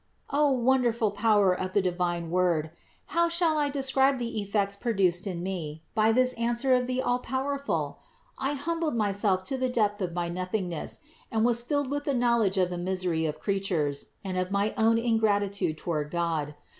26. O wonderful power of the divine word! How shall I describe the effects produced in me by this answer of the Allpowerful? I humbled myself to the depth of my nothingness and I was filled with the knowledge of the misery of creatures and of my own ingratitude toward God.